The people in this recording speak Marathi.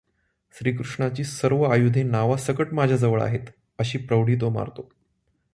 श्रीकृष्णाची सर्व आयुधे नावासकट माझ्याजवळ आहेत, अशी प्रोढी मारतो.